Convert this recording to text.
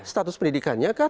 status pendidikannya kah